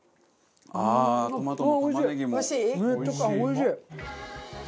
おいしい？